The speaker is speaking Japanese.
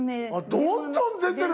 どんどん出てる。